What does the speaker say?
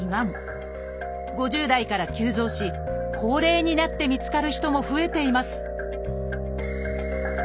５０代から急増し高齢になって見つかる人も増えています